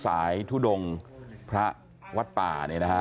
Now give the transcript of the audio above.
ท่านก็จะทุดงไปเรื่อยนะครับท่านประชมครับ